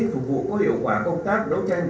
phục vụ có hiệu quả công tác đấu tranh